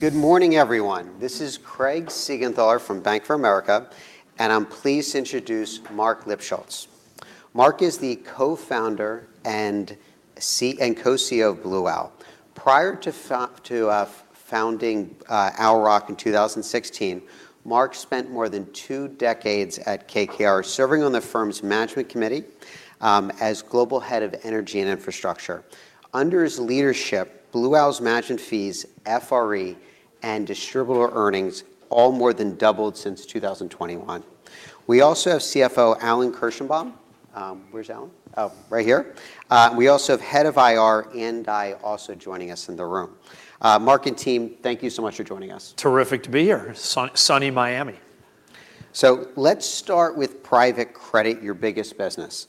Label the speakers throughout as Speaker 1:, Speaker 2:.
Speaker 1: Good morning, everyone. This is Craig Siegenthaler from Bank of America, and I'm pleased to introduce Marc Lipschultz. Marc is the co-founder and co-CEO of Blue Owl. Prior to founding Owl Rock Capital in 2016, Marc spent more than two decades at KKR serving on the firm's management committee as global head of energy and infrastructure. Under his leadership, Blue Owl's management fees, FRE, and distributable earnings all more than doubled since 2021. We also have CFO Alan Kirshenbaum. Where's Alan? Oh, right here. We also have head of IR, Ann Dai, also joining us in the room. Marc and team, thank you so much for joining us.
Speaker 2: Terrific to be here. Sunny Miami.
Speaker 1: Let's start with private credit, your biggest business.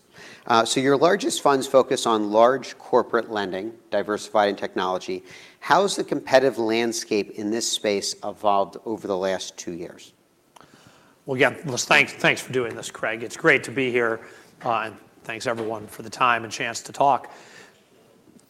Speaker 1: Your largest funds focus on large corporate lending, diversified in technology. How has the competitive landscape in this space evolved over the last two years?
Speaker 2: Well, yeah, thanks for doing this, Craig. It's great to be here, and thanks, everyone, for the time and chance to talk.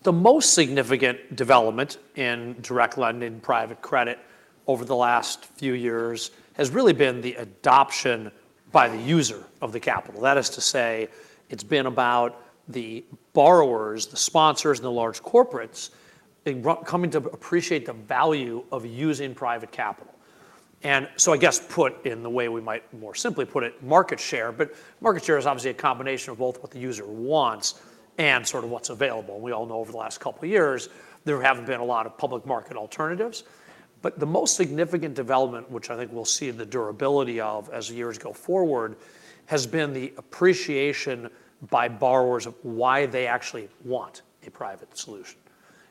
Speaker 2: The most significant development in direct lending, private credit, over the last few years has really been the adoption by the user of the capital. That is to say, it's been about the borrowers, the sponsors, and the large corporates coming to appreciate the value of using private capital. And so I guess put in the way we might more simply put it, market share. But market share is obviously a combination of both what the user wants and sort of what's available. And we all know over the last couple of years, there haven't been a lot of public market alternatives. But the most significant development, which I think we'll see the durability of as the years go forward, has been the appreciation by borrowers of why they actually want a private solution.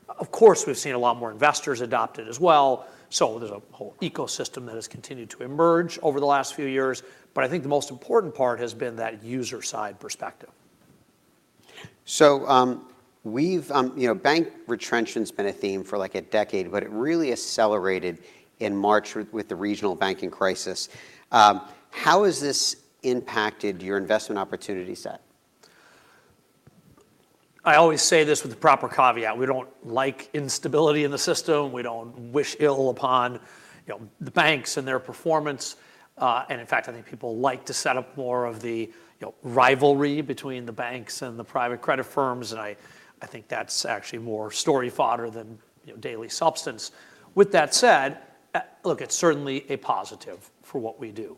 Speaker 2: Of course, we've seen a lot more investors adopt it as well. So there's a whole ecosystem that has continued to emerge over the last few years. But I think the most important part has been that user-side perspective.
Speaker 1: Bank retrenchment's been a theme for like a decade, but it really accelerated in March with the regional banking crisis. How has this impacted your investment opportunity set?
Speaker 2: I always say this with the proper caveat. We don't like instability in the system. We don't wish ill upon the banks and their performance. And in fact, I think people like to set up more of the rivalry between the banks and the private credit firms. And I think that's actually more story-fodder than daily substance. With that said, look, it's certainly a positive for what we do.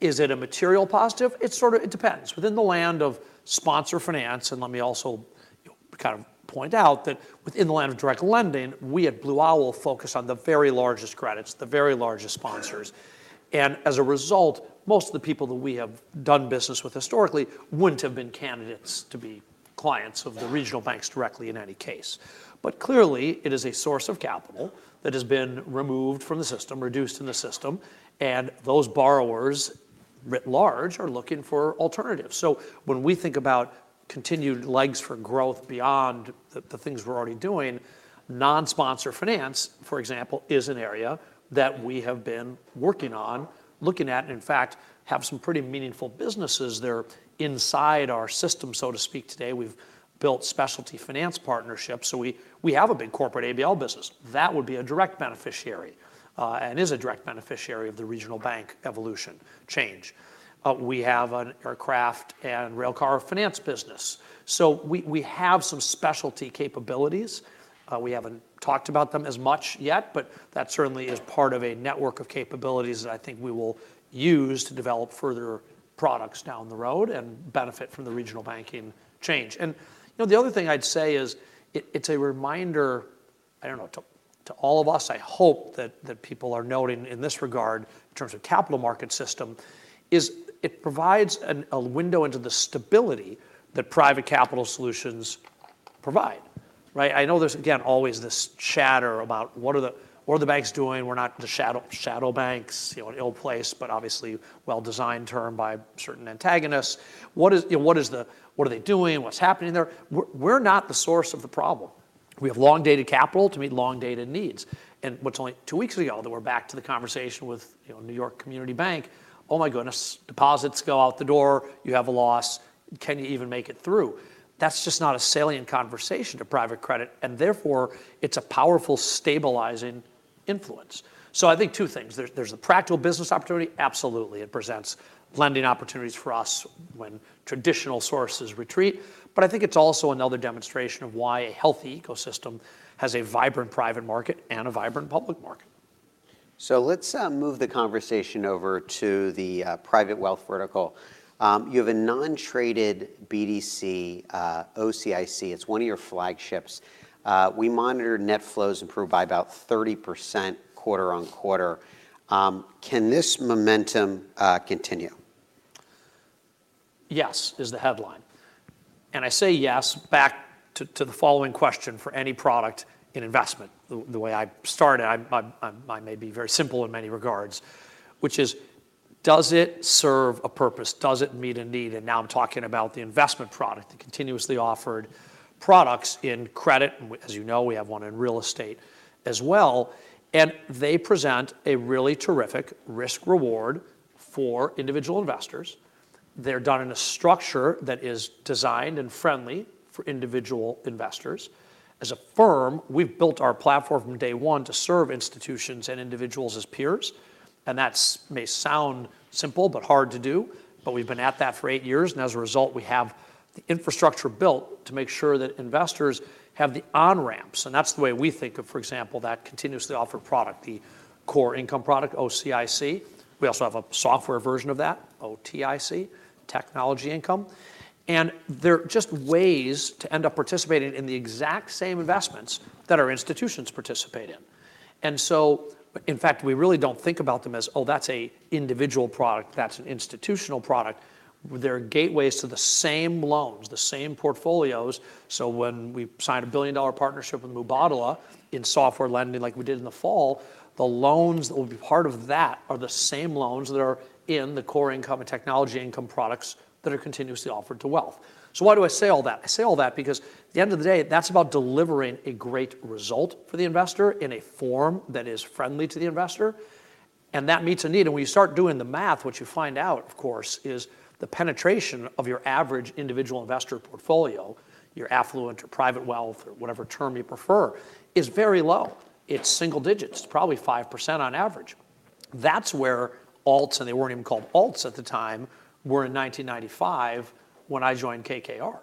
Speaker 2: Is it a material positive? It depends. Within the land of sponsor finance, and let me also kind of point out that within the land of direct lending, we at Blue Owl focus on the very largest credits, the very largest sponsors. And as a result, most of the people that we have done business with historically wouldn't have been candidates to be clients of the regional banks directly in any case. But clearly, it is a source of capital that has been removed from the system, reduced in the system. And those borrowers, writ large, are looking for alternatives. So when we think about continued legs for growth beyond the things we're already doing, non-sponsor finance, for example, is an area that we have been working on, looking at, and in fact, have some pretty meaningful businesses there inside our system, so to speak, today. We've built specialty finance partnerships. So we have a big corporate ABL business. That would be a direct beneficiary and is a direct beneficiary of the regional bank evolution change. We have an aircraft and railcar finance business. So we have some specialty capabilities. We haven't talked about them as much yet, but that certainly is part of a network of capabilities that I think we will use to develop further products down the road and benefit from the regional banking change. The other thing I'd say is it's a reminder, I don't know, to all of us. I hope that people are noting in this regard in terms of capital market system. Is it provides a window into the stability that private capital solutions provide. I know there's, again, always this chatter about what are the banks doing? We're not the shadow banks, an ill place, but obviously well-designed term by certain antagonists. What are they doing? What's happening there? We're not the source of the problem. We have long-dated capital to meet long-dated needs. What's only two weeks ago that we're back to the conversation with New York Community Bank. Oh my goodness, deposits go out the door. You have a loss. Can you even make it through? That's just not a salient conversation to private credit. And therefore, it's a powerful stabilizing influence. So I think two things. There's the practical business opportunity. Absolutely, it presents lending opportunities for us when traditional sources retreat. But I think it's also another demonstration of why a healthy ecosystem has a vibrant private market and a vibrant public market.
Speaker 1: Let's move the conversation over to the private wealth vertical. You have a non-traded BDC, OCIC. It's one of your flagships. We monitored net flows improve by about 30% quarter-over-quarter. Can this momentum continue? Yes, is the headline. I say yes back to the following question for any product in investment. The way I started, mine may be very simple in many regards, which is, does it serve a purpose? Does it meet a need? And now I'm talking about the investment product, the continuously offered products in credit. And as you know, we have one in real estate as well. And they present a really terrific risk-reward for individual investors. They're done in a structure that is designed and friendly for individual investors. As a firm, we've built our platform from day one to serve institutions and individuals as peers. And that may sound simple but hard to do. But we've been at that for eight years. And as a result, we have the infrastructure built to make sure that investors have the on-ramps. That's the way we think of, for example, that continuously offered product, the core income product, OCIC. We also have a software version of that, OTIC, technology income. And they're just ways to end up participating in the exact same investments that our institutions participate in. And so in fact, we really don't think about them as, oh, that's an individual product. That's an institutional product. They're gateways to the same loans, the same portfolios. So when we signed a $1 billion partnership with Mubadala in software lending, like we did in the fall, the loans that will be part of that are the same loans that are in the core income and technology income products that are continuously offered to wealth. So why do I say all that? I say all that because at the end of the day, that's about delivering a great result for the investor in a form that is friendly to the investor. And that meets a need. And when you start doing the math, what you find out, of course, is the penetration of your average individual investor portfolio, your affluent or private wealth or whatever term you prefer, is very low. It's single digits. It's probably 5% on average. That's where alts, and they weren't even called alts at the time, were in 1995 when I joined KKR.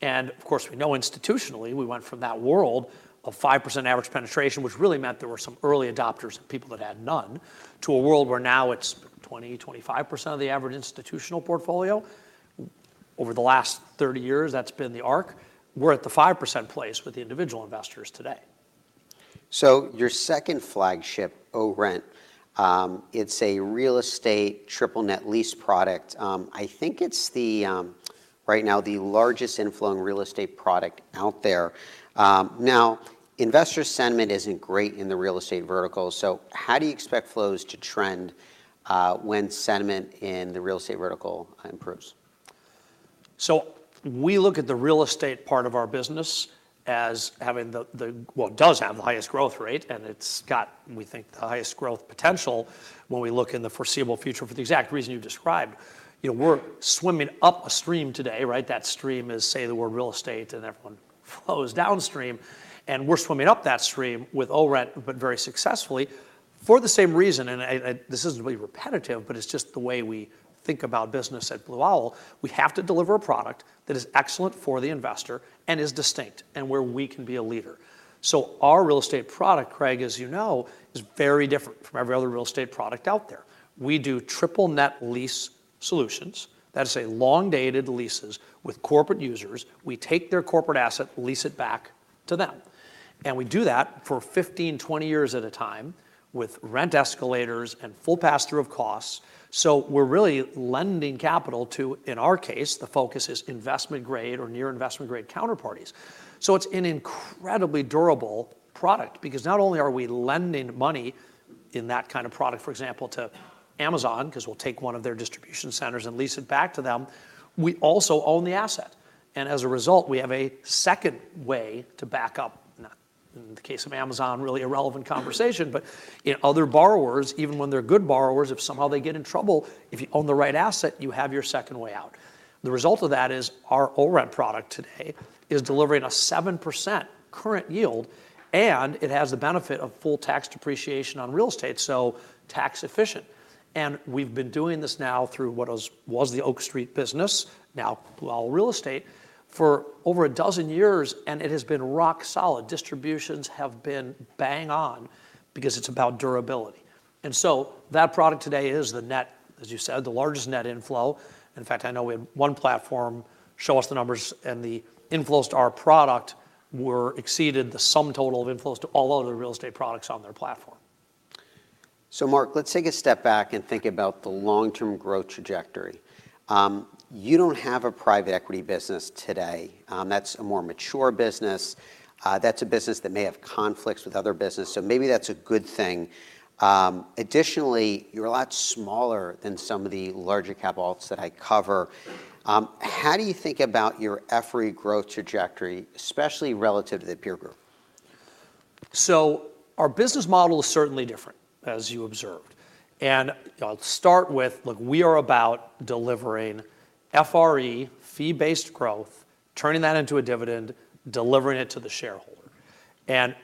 Speaker 1: And of course, we know institutionally, we went from that world of 5% average penetration, which really meant there were some early adopters and people that had none, to a world where now it's 20%-25% of the average institutional portfolio. Over the last 30 years, that's been the arc. We're at the 5% place with the individual investors today. So your second flagship, ORENT, it's a real estate Triple Net Lease product. I think it's right now the largest inflowing real estate product out there. Now, investor sentiment isn't great in the real estate vertical. So how do you expect flows to trend when sentiment in the real estate vertical improves?
Speaker 2: So we look at the real estate part of our business as having the, well, does have the highest growth rate. And it's got, we think, the highest growth potential when we look in the foreseeable future for the exact reason you described. We're swimming up a stream today. That stream is, say, the word real estate, and everyone flows downstream. And we're swimming up that stream with ORENT, but very successfully for the same reason. And this isn't really repetitive, but it's just the way we think about business at Blue Owl. We have to deliver a product that is excellent for the investor and is distinct and where we can be a leader. So our real estate product, Craig, as you know, is very different from every other real estate product out there. We do triple net lease solutions. That is to say, long-dated leases with corporate users. We take their corporate asset, lease it back to them. We do that for 15-20 years at a time with rent escalators and full pass-through of costs. So we're really lending capital to, in our case, the focus is investment-grade or near-investment-grade counterparties. So it's an incredibly durable product because not only are we lending money in that kind of product, for example, to Amazon because we'll take one of their distribution centers and lease it back to them, we also own the asset. And as a result, we have a second way to back up. Not in the case of Amazon, really irrelevant conversation, but in other borrowers, even when they're good borrowers, if somehow they get in trouble, if you own the right asset, you have your second way out. The result of that is our ORENT product today is delivering a 7% current yield. It has the benefit of full tax depreciation on real estate, so tax efficient. We've been doing this now through what was the Oak Street business, now Blue Owl Real Estate, for over a dozen years. It has been rock solid. Distributions have been bang on because it's about durability. That product today is the net, as you said, the largest net inflow. In fact, I know we had one platform show us the numbers, and the inflows to our product exceeded the sum total of inflows to all other real estate products on their platform.
Speaker 1: Marc, let's take a step back and think about the long-term growth trajectory. You don't have a private equity business today. That's a more mature business. That's a business that may have conflicts with other businesses. Maybe that's a good thing. Additionally, you're a lot smaller than some of the larger cap alts that I cover. How do you think about your FRE growth trajectory, especially relative to the peer group?
Speaker 2: So our business model is certainly different, as you observed. I'll start with, look, we are about delivering FRE, fee-based growth, turning that into a dividend, delivering it to the shareholder.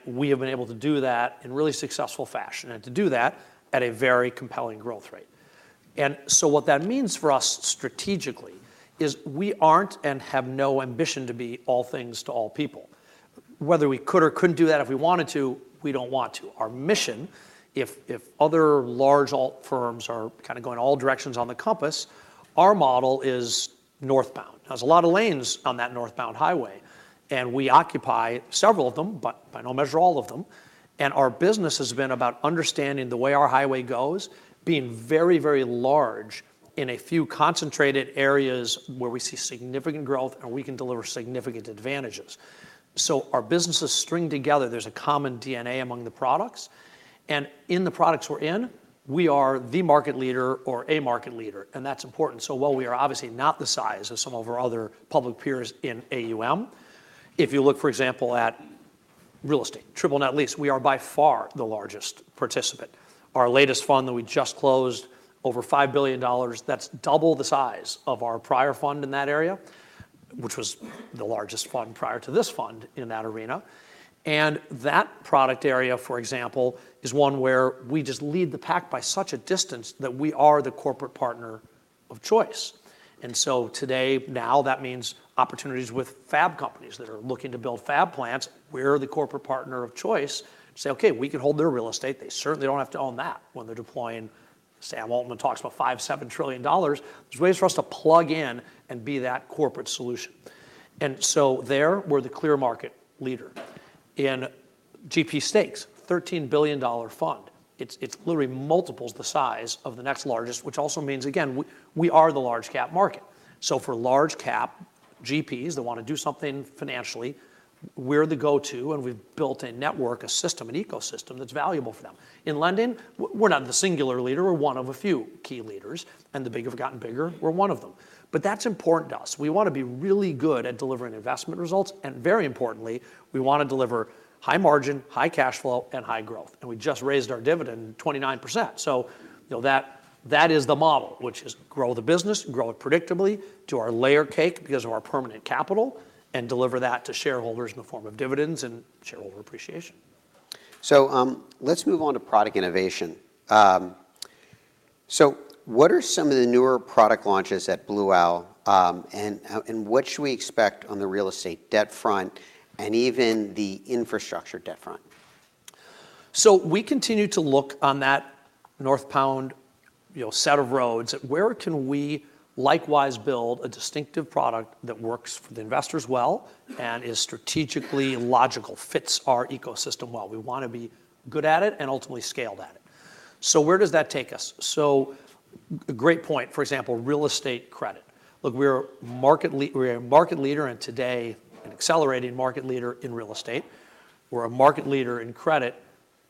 Speaker 2: We have been able to do that in really successful fashion. To do that at a very compelling growth rate. So what that means for us strategically is we aren't and have no ambition to be all things to all people. Whether we could or couldn't do that if we wanted to, we don't want to. Our mission, if other large alt firms are kind of going all directions on the compass, our model is northbound. Now, there's a lot of lanes on that northbound highway. We occupy several of them, but by no measure all of them. Our business has been about understanding the way our highway goes, being very, very large in a few concentrated areas where we see significant growth and we can deliver significant advantages. Our businesses string together. There's a common DNA among the products. In the products we're in, we are the market leader or a market leader. That's important. While we are obviously not the size of some of our other public peers in AUM, if you look, for example, at real estate, triple net lease, we are by far the largest participant. Our latest fund that we just closed, over $5 billion, that's double the size of our prior fund in that area, which was the largest fund prior to this fund in that arena. That product area, for example, is one where we just lead the pack by such a distance that we are the corporate partner of choice. So today, now that means opportunities with fab companies that are looking to build fab plants. We're the corporate partner of choice. Say, okay, we can hold their real estate. They certainly don't have to own that when they're deploying. Sam Altman talks about $5-$7 trillion. There's ways for us to plug in and be that corporate solution. So there, we're the clear market leader in GP Stakes, $13 billion fund. It's literally multiples the size of the next largest, which also means, again, we are the large cap market. So for large cap GPs that want to do something financially, we're the go-to. And we've built a network, a system, an ecosystem that's valuable for them. In lending, we're not the singular leader. We're one of a few key leaders. And the big have gotten bigger. We're one of them. But that's important to us. We want to be really good at delivering investment results. And very importantly, we want to deliver high margin, high cash flow, and high growth. And we just raised our dividend 29%. So that is the model, which is grow the business, grow it predictably to our layer cake because of our permanent capital, and deliver that to shareholders in the form of dividends and shareholder appreciation.
Speaker 1: Let's move on to product innovation. What are some of the newer product launches at Blue Owl? And what should we expect on the real estate debt front and even the infrastructure debt front?
Speaker 2: So we continue to look on that northbound set of roads at where can we likewise build a distinctive product that works for the investors well and is strategically logical, fits our ecosystem well. We want to be good at it and ultimately scaled at it. So where does that take us? So a great point, for example, real estate credit. Look, we are a market leader. And today, an accelerating market leader in real estate. We're a market leader in credit.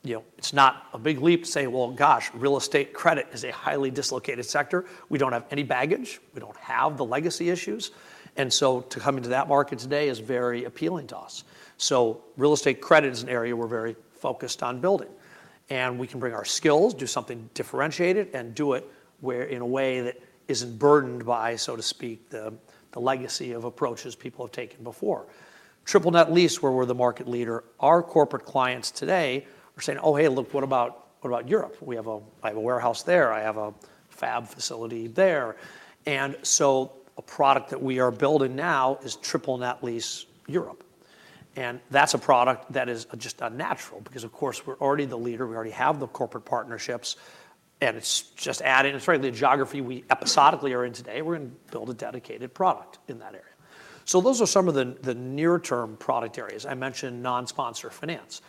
Speaker 2: It's not a big leap to say, well, gosh, real estate credit is a highly dislocated sector. We don't have any baggage. We don't have the legacy issues. And so coming to that market today is very appealing to us. So real estate credit is an area we're very focused on building. We can bring our skills, do something differentiated, and do it in a way that isn't burdened by, so to speak, the legacy of approaches people have taken before. Triple net lease, where we're the market leader, our corporate clients today are saying, oh, hey, look, what about Europe? We have a warehouse there. I have a fab facility there. And so a product that we are building now is triple net lease Europe. And that's a product that is just natural because, of course, we're already the leader. We already have the corporate partnerships. And it's just adding, and frankly, the geography we episodically are in today, we're going to build a dedicated product in that area. So those are some of the near-term product areas. I mentioned non-sponsor finance.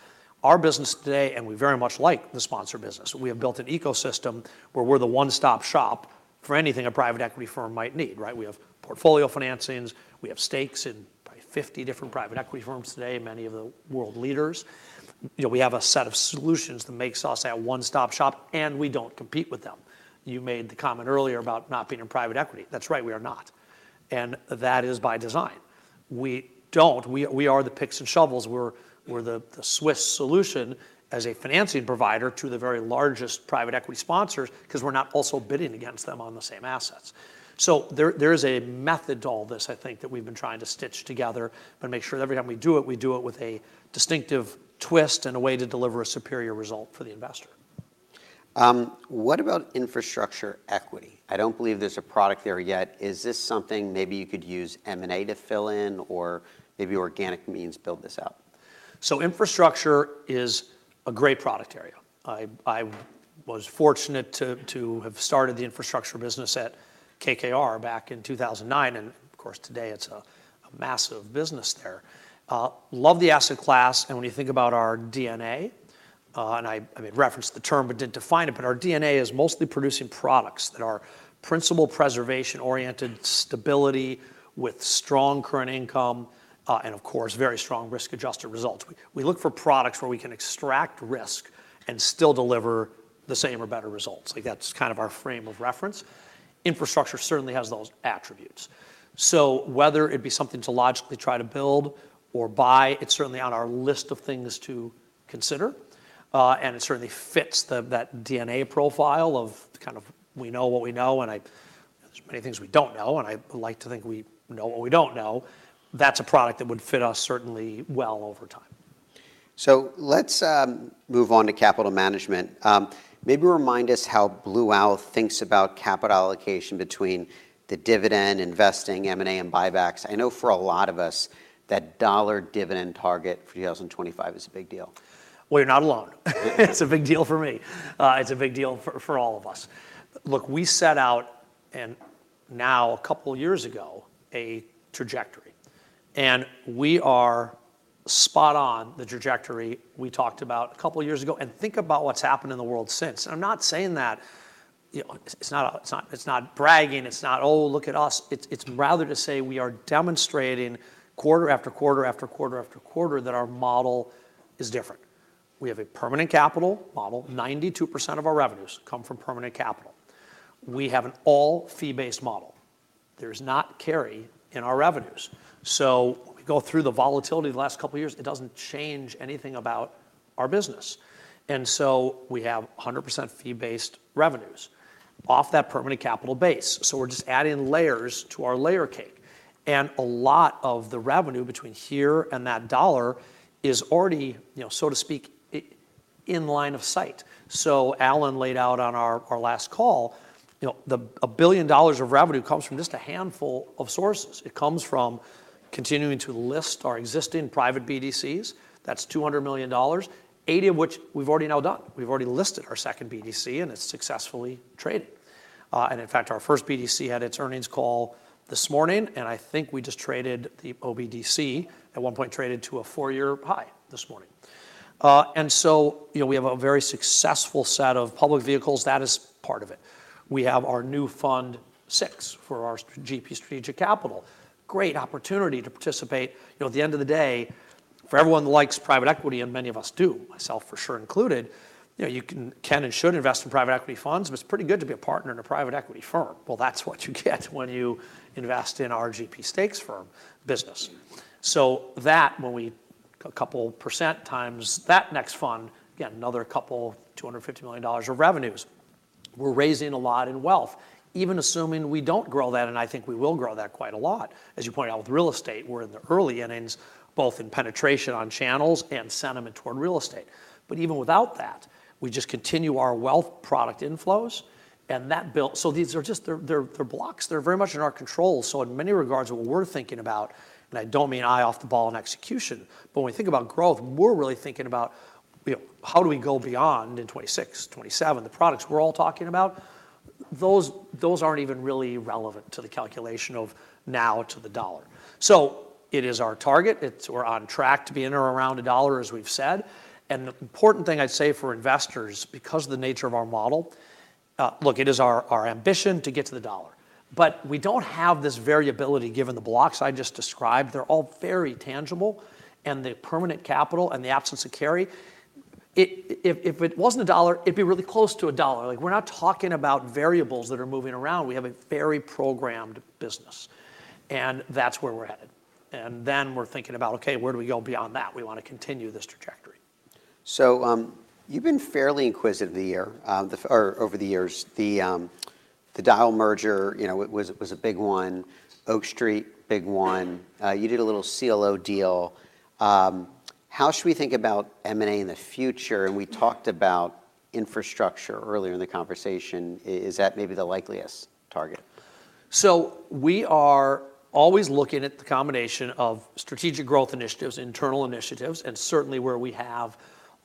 Speaker 2: Our business today, and we very much like the sponsor business. We have built an ecosystem where we're the one-stop shop for anything a private equity firm might need. We have portfolio financings. We have stakes in probably 50 different private equity firms today, many of the world leaders. We have a set of solutions that makes us that one-stop shop. And we don't compete with them. You made the comment earlier about not being in private equity. That's right. We are not. And that is by design. We are the picks and shovels. We're the Swiss solution as a financing provider to the very largest private equity sponsors because we're not also bidding against them on the same assets. There is a method to all this, I think, that we've been trying to stitch together and make sure that every time we do it, we do it with a distinctive twist and a way to deliver a superior result for the investor.
Speaker 1: What about infrastructure equity? I don't believe there's a product there yet. Is this something maybe you could use M&A to fill in or maybe organic means build this out?
Speaker 2: So infrastructure is a great product area. I was fortunate to have started the infrastructure business at KKR back in 2009. Of course, today, it's a massive business there. Love the asset class. When you think about our DNA, and I referenced the term but didn't define it, but our DNA is mostly producing products that are principal preservation-oriented, stability with strong current income, and of course, very strong risk-adjusted results. We look for products where we can extract risk and still deliver the same or better results. That's kind of our frame of reference. Infrastructure certainly has those attributes. Whether it'd be something to logically try to build or buy, it's certainly on our list of things to consider. It certainly fits that DNA profile of kind of we know what we know. There's many things we don't know. I like to think we know what we don't know. That's a product that would fit us certainly well over time.
Speaker 1: Let's move on to capital management. Maybe remind us how Blue Owl thinks about capital allocation between the dividend investing, M&A, and buybacks. I know for a lot of us, that dollar dividend target for 2025 is a big deal.
Speaker 2: Well, you're not alone. It's a big deal for me. It's a big deal for all of us. Look, we set out, and now a couple of years ago, a trajectory. And we are spot on the trajectory we talked about a couple of years ago. And think about what's happened in the world since. And I'm not saying that it's not bragging. It's not, oh, look at us. It's rather to say we are demonstrating quarter after quarter after quarter after quarter that our model is different. We have a permanent capital model. 92% of our revenues come from permanent capital. We have an all-fee-based model. There's not carry in our revenues. So when we go through the volatility of the last couple of years, it doesn't change anything about our business. And so we have 100% fee-based revenues off that permanent capital base. So we're just adding layers to our layer cake. And a lot of the revenue between here and that $1 billion is already, so to speak, in line of sight. So Alan laid out on our last call, $1 billion of revenue comes from just a handful of sources. It comes from continuing to list our existing private BDCs. That's $200 million, 80 of which we've already now done. We've already listed our second BDC, and it's successfully traded. And in fact, our first BDC had its earnings call this morning. And I think we just traded the OBDC at one point traded to a four-year high this morning. And so we have a very successful set of public vehicles. That is part of it. We have our new fund six for our GP Strategic Capital. Great opportunity to participate. At the end of the day, for everyone that likes private equity, and many of us do, myself for sure included, you can and should invest in private equity funds. But it's pretty good to be a partner in a private equity firm. Well, that's what you get when you invest in our GP Stakes firm business. So that, when we a couple percent times that next fund, again, another couple $250 million of revenues, we're raising a lot in wealth, even assuming we don't grow that. And I think we will grow that quite a lot. As you pointed out with real estate, we're in the early innings, both in penetration on channels and sentiment toward real estate. But even without that, we just continue our wealth product inflows. And so these are just they're blocks. They're very much in our control. So in many regards, what we're thinking about, and I don't mean eye off the ball in execution, but when we think about growth, we're really thinking about how do we go beyond in 2026, 2027, the products we're all talking about, those aren't even really relevant to the calculation of now to the dollar. So it is our target. We're on track to be in or around a dollar, as we've said. And the important thing I'd say for investors, because of the nature of our model, look, it is our ambition to get to the dollar. But we don't have this variability given the blocks I just described. They're all very tangible. And the permanent capital and the absence of carry, if it wasn't a dollar, it'd be really close to a dollar. We're not talking about variables that are moving around. We have a very programmed business. That's where we're headed. Then we're thinking about, okay, where do we go beyond that? We want to continue this trajectory.
Speaker 1: You've been fairly inquisitive over the years. The Dyal merger was a big one. Oak Street, big one. You did a little CLO deal. How should we think about M&A in the future? We talked about infrastructure earlier in the conversation. Is that maybe the likeliest target?
Speaker 2: So we are always looking at the combination of strategic growth initiatives, internal initiatives, and certainly where we have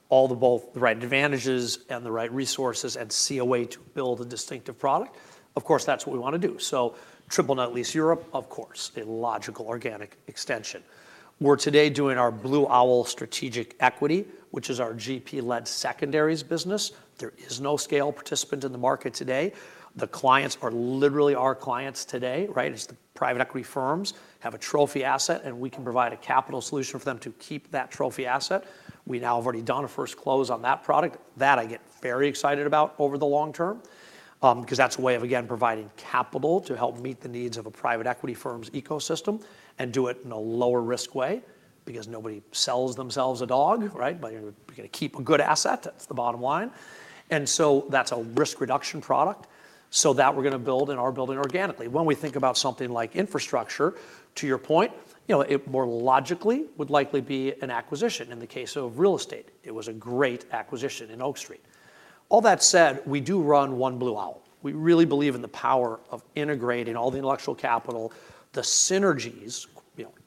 Speaker 2: all the right advantages and the right resources and see a way to build a distinctive product. Of course, that's what we want to do. So triple-net lease Europe, of course, a logical organic extension. We're today doing our Blue Owl Strategic Equity, which is our GP-Led Secondaries business. There is no scale participant in the market today. The clients are literally our clients today. It's the private equity firms have a trophy asset. And we can provide a capital solution for them to keep that trophy asset. We now have already done a first close on that product. That I get very excited about over the long term because that's a way of, again, providing capital to help meet the needs of a private equity firm's ecosystem and do it in a lower risk way because nobody sells themselves a dog. But you're going to keep a good asset. That's the bottom line. And so that's a risk reduction product so that we're going to build and are building organically. When we think about something like infrastructure, to your point, it more logically would likely be an acquisition. In the case of real estate, it was a great acquisition in Oak Street. All that said, we do run one Blue Owl. We really believe in the power of integrating all the intellectual capital. The synergies,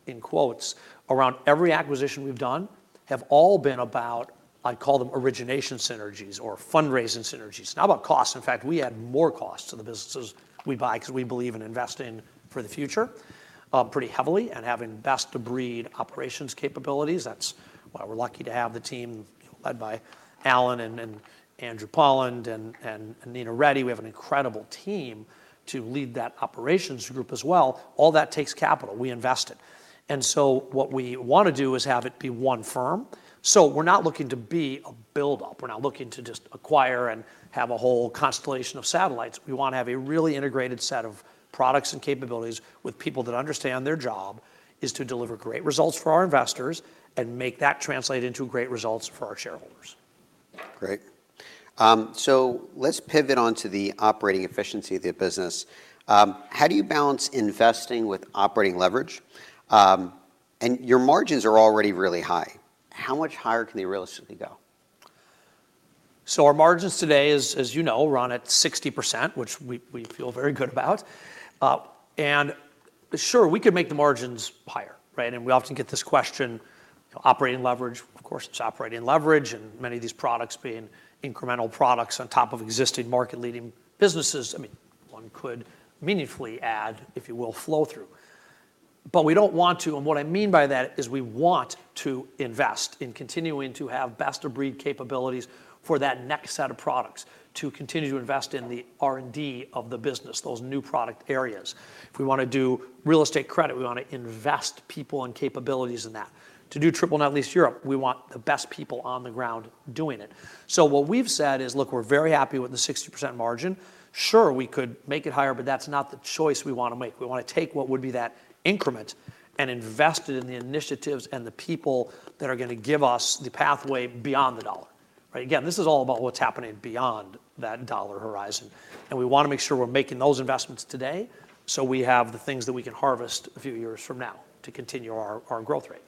Speaker 2: in quotes, around every acquisition we've done have all been about, I call them origination synergies or fundraising synergies. It's not about cost. In fact, we add more costs to the businesses we buy because we believe in investing for the future pretty heavily and having best-in-breed operations capabilities. That's why we're lucky to have the team led by Alan and Andrew Polland and Neena Reddy. We have an incredible team to lead that operations group as well. All that takes capital. We invest it. And so what we want to do is have it be one firm. So we're not looking to be a buildup. We're not looking to just acquire and have a whole constellation of satellites. We want to have a really integrated set of products and capabilities with people that understand their job is to deliver great results for our investors and make that translate into great results for our shareholders.
Speaker 1: Great. Let's pivot onto the operating efficiency of the business. How do you balance investing with operating leverage? And your margins are already really high. How much higher can they realistically go?
Speaker 2: So our margins today, as you know, run at 60%, which we feel very good about. And sure, we could make the margins higher. And we often get this question, operating leverage. Of course, it's operating leverage and many of these products being incremental products on top of existing market-leading businesses. I mean, one could meaningfully add, if you will, flow through. But we don't want to. And what I mean by that is we want to invest in continuing to have best-in-breed capabilities for that next set of products, to continue to invest in the R&D of the business, those new product areas. If we want to do real estate credit, we want to invest people and capabilities in that. To do triple net lease Europe, we want the best people on the ground doing it. So what we've said is, look, we're very happy with the 60% margin. Sure, we could make it higher, but that's not the choice we want to make. We want to take what would be that increment and invest it in the initiatives and the people that are going to give us the pathway beyond the dollar. Again, this is all about what's happening beyond that dollar horizon. And we want to make sure we're making those investments today so we have the things that we can harvest a few years from now to continue our growth rate.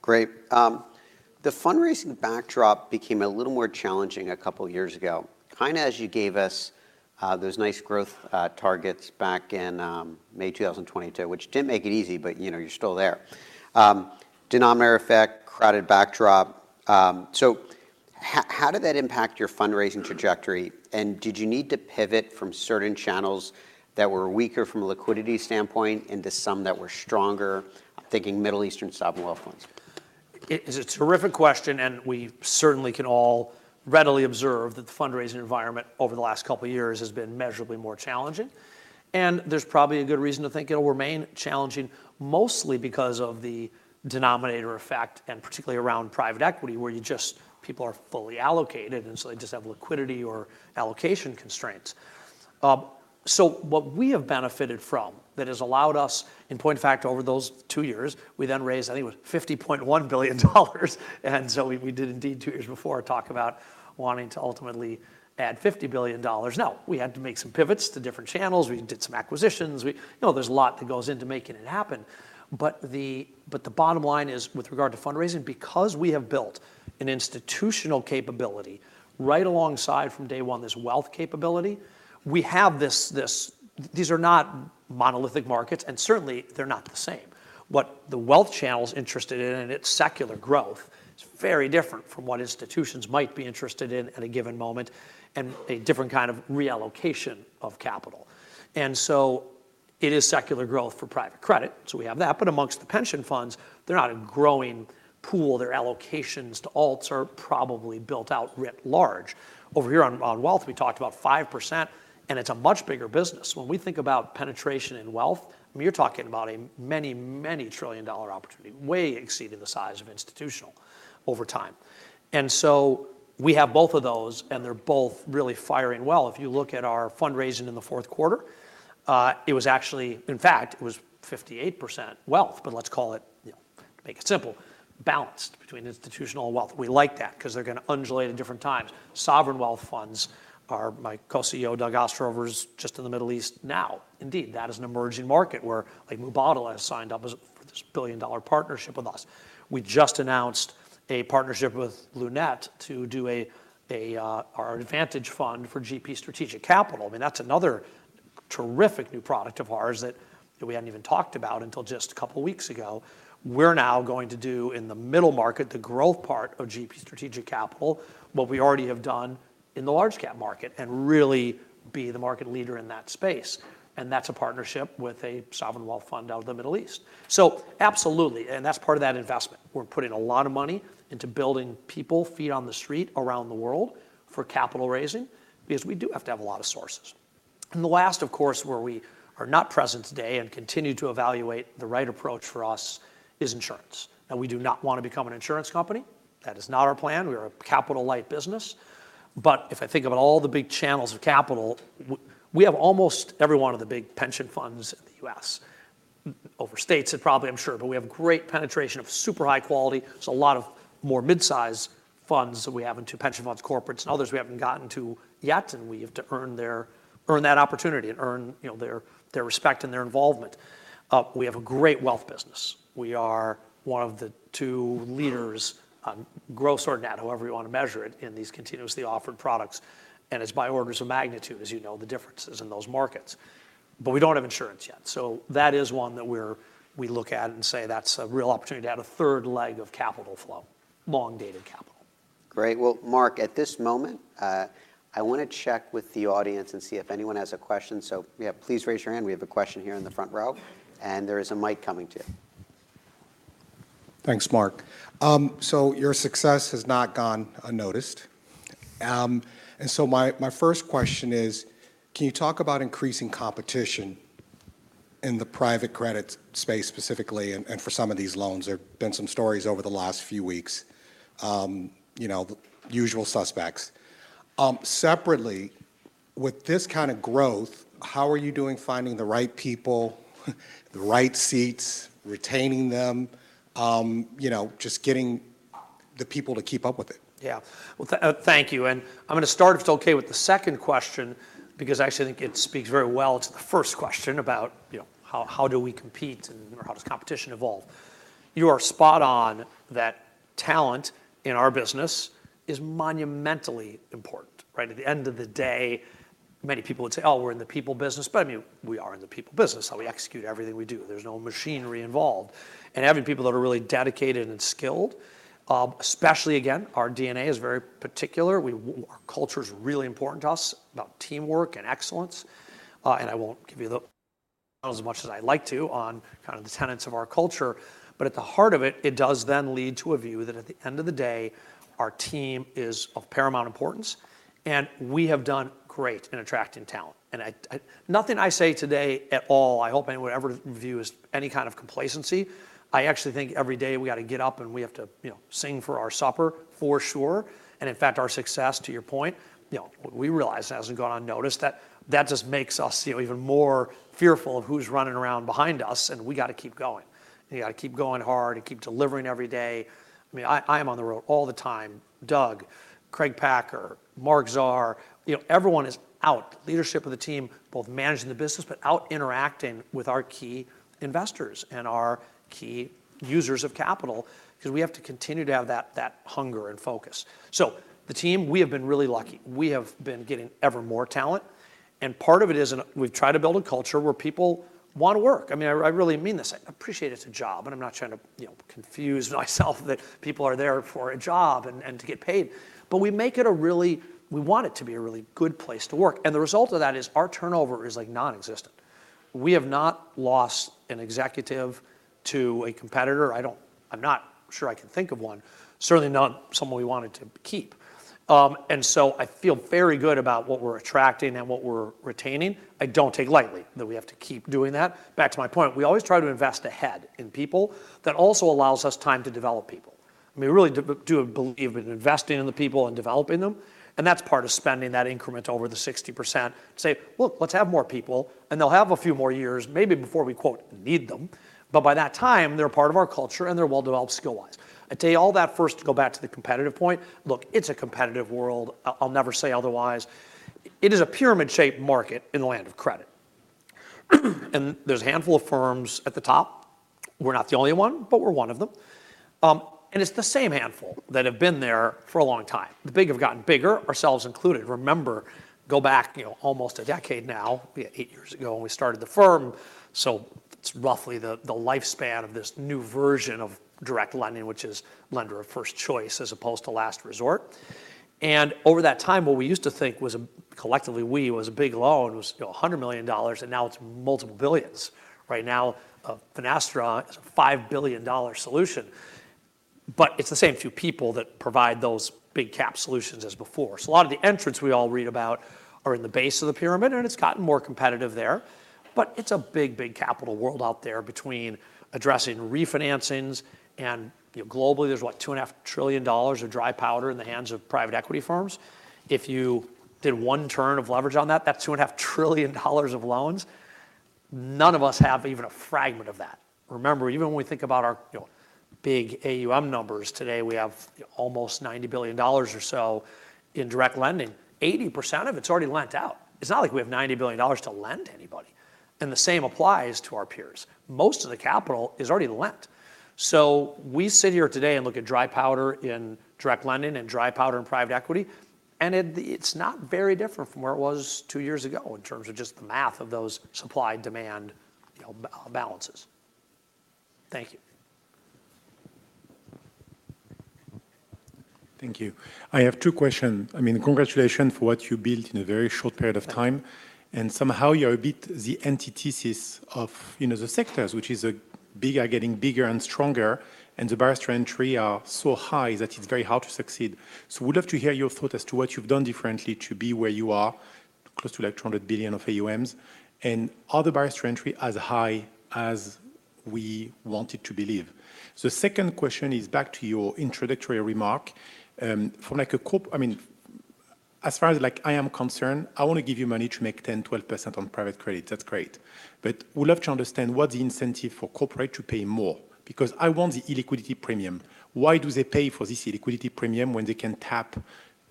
Speaker 1: Great. The fundraising backdrop became a little more challenging a couple of years ago, kind of as you gave us those nice growth targets back in May 2022, which didn't make it easy, but you're still there. Denominator Effect, crowded backdrop. So how did that impact your fundraising trajectory? And did you need to pivot from certain channels that were weaker from a liquidity standpoint into some that were stronger? I'm thinking Middle Eastern sovereign wealth funds.
Speaker 2: It's a terrific question. We certainly can all readily observe that the fundraising environment over the last couple of years has been measurably more challenging. There's probably a good reason to think it'll remain challenging, mostly because of the Denominator Effect and particularly around private equity, where people are fully allocated. So they just have liquidity or allocation constraints. So what we have benefited from that has allowed us, in point of fact, over those two years, we then raised, I think it was $50.1 billion. So we did indeed two years before talk about wanting to ultimately add $50 billion. No, we had to make some pivots to different channels. We did some acquisitions. There's a lot that goes into making it happen. But the bottom line is, with regard to fundraising, because we have built an institutional capability right alongside from day one this wealth capability, we have this. These are not monolithic markets. And certainly, they're not the same. What the wealth channel's interested in and its secular growth is very different from what institutions might be interested in at a given moment and a different kind of reallocation of capital. And so it is secular growth for private credit. So we have that. But amongst the pension funds, they're not a growing pool. Their allocations to alts are probably built out writ large. Over here on wealth, we talked about 5%. And it's a much bigger business. When we think about penetration in wealth, I mean, you're talking about a many, many trillion-dollar opportunity, way exceeding the size of institutional over time. And so we have both of those. And they're both really firing well. If you look at our fundraising in the fourth quarter, it was actually, in fact, it was 58% wealth. But let's call it, to make it simple, balanced between institutional and wealth. We like that because they're going to undulate at different times. Sovereign wealth funds, my co-CEO Doug Ostrover's just in the Middle East now. Indeed, that is an emerging market where Mubadala has signed up for this $1 billion partnership with us. We just announced a partnership with Lunate to do our advantage fund for GP Strategic Capital. I mean, that's another terrific new product of ours that we hadn't even talked about until just a couple of weeks ago. We're now going to do, in the middle market, the growth part of GP Strategic Capital, what we already have done in the large-cap market, and really be the market leader in that space. And that's a partnership with a sovereign wealth fund out of the Middle East. So absolutely. And that's part of that investment. We're putting a lot of money into building people feet on the street around the world for capital raising because we do have to have a lot of sources. And the last, of course, where we are not present today and continue to evaluate the right approach for us is insurance. Now, we do not want to become an insurance company. That is not our plan. We are a capital-light business. But if I think about all the big channels of capital, we have almost every one of the big pension funds in the U.S., overseas and probably, I'm sure, but we have great penetration of super high quality. So a lot of more midsize funds that we have into pension funds, corporates, and others we haven't gotten to yet. And we have to earn that opportunity and earn their respect and their involvement. We have a great wealth business. We are one of the two leaders on growth or NAT, however you want to measure it, in these continuously offered products. And it's by orders of magnitude, as you know, the differences in those markets. But we don't have insurance yet. So that is one that we look at and say that's a real opportunity to add a third leg of capital flow, long-dated capital.
Speaker 1: Great. Well, Marc, at this moment, I want to check with the audience and see if anyone has a question. So yeah, please raise your hand. We have a question here in the front row. And there is a mic coming to you.
Speaker 3: Thanks, Marc. So your success has not gone unnoticed. And so my first question is, can you talk about increasing competition in the private credit space specifically? And for some of these loans, there have been some stories over the last few weeks, usual suspects. Separately, with this kind of growth, how are you doing finding the right people, the right seats, retaining them, just getting the people to keep up with it?
Speaker 4: Yeah. Well, thank you. And I'm going to start, if it's okay, with the second question because I actually think it speaks very well to the first question about how do we compete or how does competition evolve. You are spot on that talent in our business is monumentally important. At the end of the day, many people would say, "Oh, we're in the people business." But I mean, we are in the people business. How we execute everything we do. There's no machinery involved. And having people that are really dedicated and skilled, especially, again, our DNA is very particular. Our culture is really important to us about teamwork and excellence. And I won't give you as much as I'd like to on kind of the tenets of our culture. But at the heart of it, it does then lead to a view that at the end of the day, our team is of paramount importance. And we have done great in attracting talent. And nothing I say today at all, I hope anyone ever reviews any kind of complacency. I actually think every day, we got to get up and we have to sing for our supper, for sure. And in fact, our success, to your point, we realize it hasn't gone unnoticed that that just makes us even more fearful of who's running around behind us. And we got to keep going. And you got to keep going hard and keep delivering every day. I mean, I am on the road all the time. Doug, Craig Packer, Marc Zahr, everyone is out, leadership of the team, both managing the business but out interacting with our key investors and our key users of capital because we have to continue to have that hunger and focus. So the team, we have been really lucky. We have been getting ever more talent. And part of it is we've tried to build a culture where people want to work. I mean, I really mean this. I appreciate it's a job. And I'm not trying to confuse myself that people are there for a job and to get paid. But we make it a really we want it to be a really good place to work. And the result of that is our turnover is nonexistent. We have not lost an executive to a competitor. I'm not sure I can think of one, certainly not someone we wanted to keep. And so I feel very good about what we're attracting and what we're retaining. I don't take lightly that we have to keep doing that. Back to my point, we always try to invest ahead in people. That also allows us time to develop people. I mean, we really do believe in investing in the people and developing them. And that's part of spending that increment over the 60% to say, "Look, let's have more people." And they'll have a few more years, maybe before we, quote, "need them." But by that time, they're part of our culture and they're well-developed skill-wise. I'd say all that first to go back to the competitive point. Look, it's a competitive world. I'll never say otherwise. It is a pyramid-shaped market in the land of credit. There's a handful of firms at the top. We're not the only one, but we're one of them. It's the same handful that have been there for a long time. The big have gotten bigger, ourselves included. Remember, go back almost a decade now, eight years ago, when we started the firm. It's roughly the lifespan of this new version of direct lending, which is lender of first choice as opposed to last resort. Over that time, what we used to think was a collectively, we was a big loan was $100 million. Now it's multiple billions. Right now, Finastra is a $5 billion solution. It's the same few people that provide those big-cap solutions as before. A lot of the entrants we all read about are in the base of the pyramid. It's gotten more competitive there. But it's a big, big capital world out there between addressing refinancings. And globally, there's, what, $2.5 trillion of dry powder in the hands of private equity firms. If you did one turn of leverage on that, that's $2.5 trillion of loans. None of us have even a fragment of that. Remember, even when we think about our big AUM numbers today, we have almost $90 billion or so in direct lending. 80% of it's already lent out. It's not like we have $90 billion to lend to anybody. And the same applies to our peers. Most of the capital is already lent. So we sit here today and look at dry powder in direct lending and dry powder in private equity. And it's not very different from where it was two years ago in terms of just the math of those supply-demand balances. Thank you.
Speaker 5: Thank you. I have two questions. I mean, congratulations for what you built in a very short period of time. And somehow, you're a bit the antithesis of the sectors, which is bigger, getting bigger and stronger. And the barrier to entry are so high that it's very hard to succeed. So we'd love to hear your thought as to what you've done differently to be where you are, close to like $200 billion of AUMs, and are the barriers to entry as high as we wanted to believe? The second question is back to your introductory remark. From like a corp I mean, as far as I am concerned, I want to give you money to make 10%, 12% on private credit. That's great. But we'd love to understand what the incentive for corporate to pay more because I want the illiquidity premium. Why do they pay for this illiquidity premium when they can tap,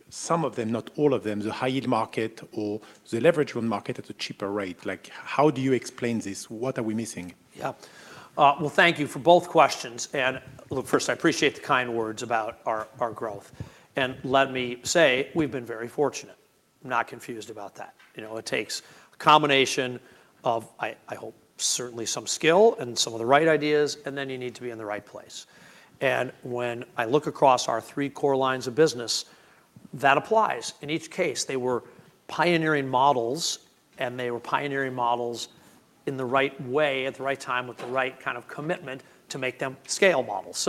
Speaker 5: some of them, not all of them, the high-yield market or the leveraged loan market at a cheaper rate? How do you explain this? What are we missing?
Speaker 4: Yeah. Well, thank you for both questions. Look, first, I appreciate the kind words about our growth. Let me say, we've been very fortunate. I'm not confused about that. It takes a combination of, I hope, certainly some skill and some of the right ideas. Then you need to be in the right place. When I look across our three core lines of business, that applies. In each case, they were pioneering models. They were pioneering models in the right way, at the right time, with the right kind of commitment to make them scale models.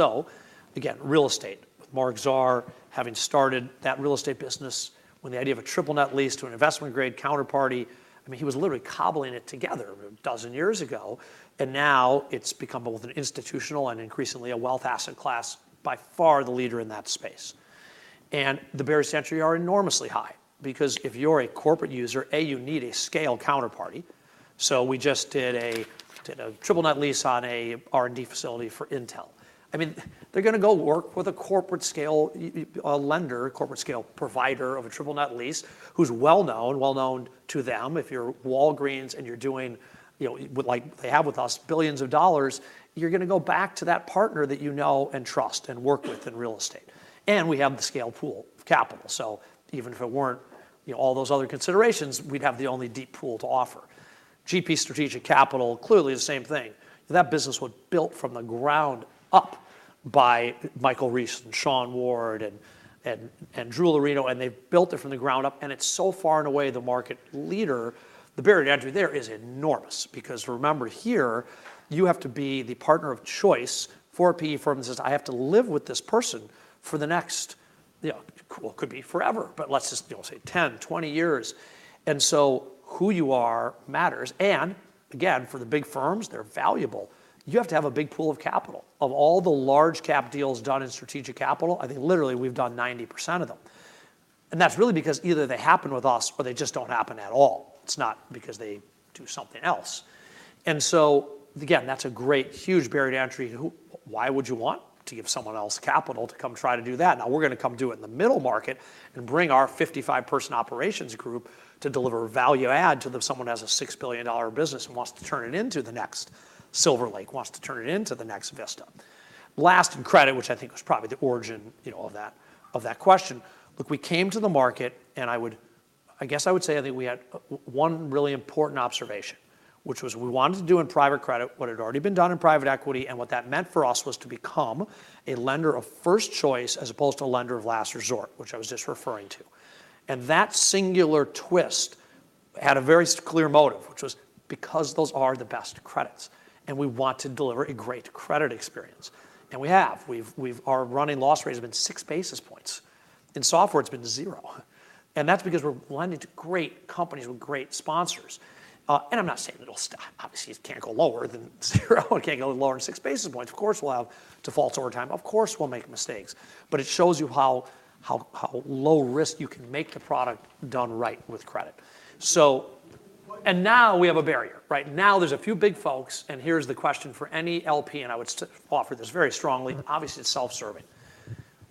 Speaker 4: Again, real estate, with Marc Zahr having started that real estate business, when the idea of a triple net lease to an investment-grade counterparty—I mean, he was literally cobbling it together a dozen years ago. And now, it's become both an institutional and increasingly a wealth asset class, by far the leader in that space. And the barriers to entry are enormously high because if you're a corporate user, A, you need a scale counterparty. So we just did a triple net lease on an R&D facility for Intel. I mean, they're going to go work with a corporate-scale lender, corporate-scale provider of a triple net lease who's well-known, well-known to them. If you're Walgreens and you're doing like they have with us, billions of dollars, you're going to go back to that partner that you know and trust and work with in real estate. And we have the scale pool of capital. So even if it weren't all those other considerations, we'd have the only deep pool to offer. GP Strategic Capital, clearly the same thing. That business was built from the ground up by Michael Rees and Sean Ward and Andrew Laurino. And they've built it from the ground up. And it's so far and away the market leader, the barrier to entry there is enormous because remember, here, you have to be the partner of choice. For PE firms, it says, "I have to live with this person for the next" well, could be forever, but let's just say 10, 20 years. And so who you are matters. And again, for the big firms, they're valuable. You have to have a big pool of capital. Of all the large-cap deals done in strategic capital, I think literally, we've done 90% of them. And that's really because either they happen with us or they just don't happen at all. It's not because they do something else. And so again, that's a great, huge barrier to entry. Why would you want to give someone else capital to come try to do that? Now, we're going to come do it in the middle market and bring our 55-person operations group to deliver value add to someone who has a $6 billion business and wants to turn it into the next Silver Lake, wants to turn it into the next Vista. Last in credit, which I think was probably the origin of that question, look, we came to the market. And I guess I would say I think we had one really important observation, which was we wanted to do in private credit what had already been done in private equity. And what that meant for us was to become a lender of first choice as opposed to a lender of last resort, which I was just referring to. That singular twist had a very clear motive, which was because those are the best credits. We want to deliver a great credit experience. And we have. Our running loss rate has been 6 basis points. In software, it's been 0. And that's because we're lending to great companies with great sponsors. I'm not saying it'll obviously; it can't go lower than 0 and can't go lower than 6 basis points. Of course, we'll have defaults over time. Of course, we'll make mistakes. But it shows you how low-risk you can make the product done right with credit. Now, we have a barrier. Now, there's a few big folks. Here's the question for any LP. I would offer this very strongly. Obviously, it's self-serving.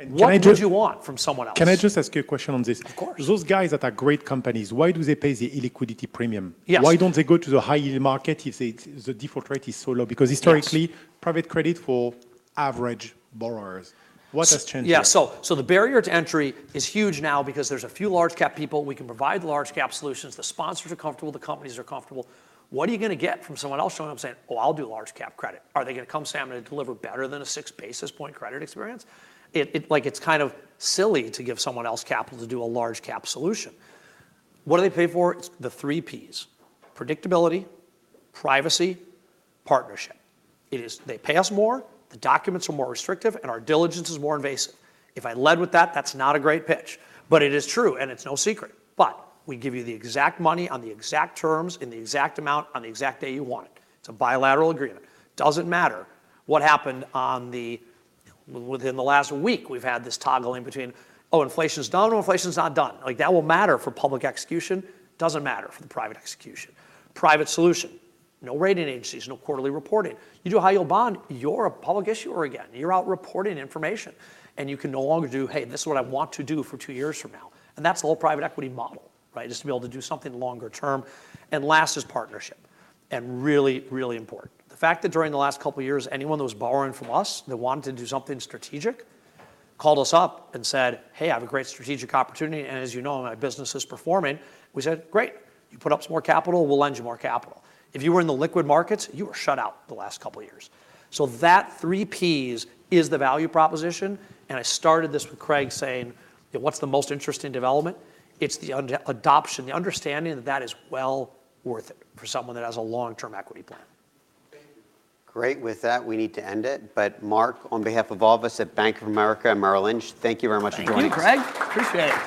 Speaker 4: What would you want from someone else?
Speaker 6: Can I just ask you a question on this?
Speaker 2: Of course.
Speaker 6: Those guys that are great companies, why do they pay the illiquidity premium? Why don't they go to the high-yield market if the default rate is so low? Because historically, private credit for average borrowers. What has changed?
Speaker 2: Yeah. So the barrier to entry is huge now because there's a few large-cap people. We can provide large-cap solutions. The sponsors are comfortable. The companies are comfortable. What are you going to get from someone else showing up saying, "Oh, I'll do large-cap credit"? Are they going to come say, "I'm going to deliver better than a 6 basis point credit experience"? It's kind of silly to give someone else capital to do a large-cap solution. What do they pay for? It's the three P's: predictability, privacy, partnership. They pay us more. The documents are more restrictive. And our diligence is more invasive. If I led with that, that's not a great pitch. But it is true. And it's no secret. But we give you the exact money on the exact terms in the exact amount on the exact day you want it. It's a bilateral agreement. Doesn't matter what happened within the last week. We've had this toggling between, "Oh, inflation's done. Oh, inflation's not done." That will matter for public execution. Doesn't matter for the private execution. Private solution, no rating agencies, no quarterly reporting. You do high-yield bond, you're a public issuer again. You're out reporting information. You can no longer do, "Hey, this is what I want to do for two years from now." That's the whole private equity model, just to be able to do something longer term. Last is partnership and really, really important. The fact that during the last couple of years, anyone that was borrowing from us that wanted to do something strategic called us up and said, "Hey, I have a great strategic opportunity. And as you know, my business is performing," we said, "Great. You put up some more capital. We'll lend you more capital." If you were in the liquid markets, you were shut out the last couple of years. So that three P's is the value proposition. And I started this with Craig saying, "What's the most interesting development?" It's the adoption, the understanding that that is well worth it for someone that has a long-term equity plan.
Speaker 6: Thank you.
Speaker 1: Great. With that, we need to end it. But Marc, on behalf of all of us at Bank of America and Merrill Lynch, thank you very much for joining us.
Speaker 2: Thank you, Craig. Appreciate it.